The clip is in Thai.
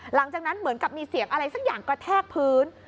หลังจากนั้นเหมือนกับมีเสียงอะไรสักอย่างกระแทกพื้น